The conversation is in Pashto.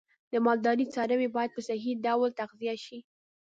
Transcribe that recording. د مالدارۍ څاروی باید په صحی ډول تغذیه شي.